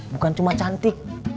bukan cuma cantik